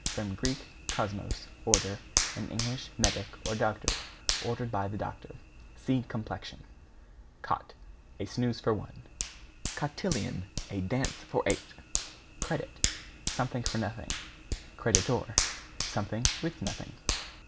From Grk. kosmos, order, and Eng. medic, or doctor, ordered by the doctor. (See Complexion.) =COT= A snooze for one. =COTILLON= A dance for eight. =CREDIT= Something for nothing. =CREDITOR= Something with nothing.